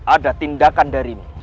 ada tindakan darimu